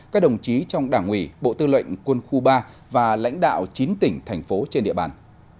các đồng chí trong đảng ủy bộ tư lệnh quân khu ba và lãnh đạo chín tỉnh thành phố trên địa bàn